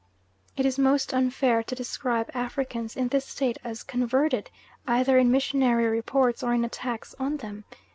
It is most unfair to describe Africans in this state as "converted," either in missionary reports or in attacks on them.